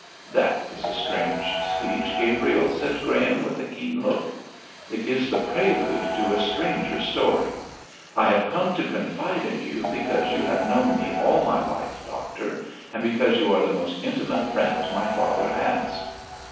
'That is a strange speech, Gabriel,' said Graham, with a keen look. 'It is the prelude to a stranger story! I have come to confide in you because you have known me all my life, doctor, and because you are the most intimate friend my father has.'